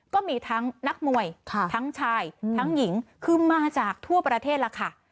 ก็มีทั้งนักมวยทั้งชายทั้งหญิงคือมาจากทั่วประเทศแล้วค่ะ